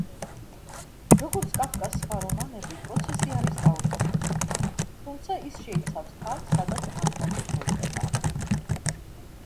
როგორც კაფკას სხვა რომანები, „პროცესი“ არის დაუსრულებელი, თუმცა ის შეიცავს თავს, სადაც ამბავი სრულდება.